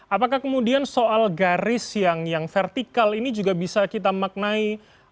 apakah kemudian soal garis yang vertikal ini juga bisa kita maknai